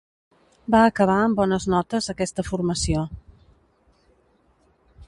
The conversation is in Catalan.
Va acabar amb bones notes aquesta formació.